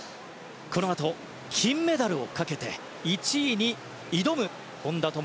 このあと金メダルをかけて１位に挑む本多灯。